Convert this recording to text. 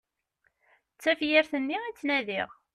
D tafyirt-nni i ttnadiɣ!